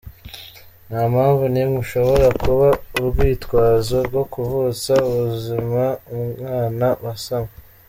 "Nta mpamvu n’imwe ishobora kuba urwitwazo rwo kuvutsa ubuzima umwana wasamwe.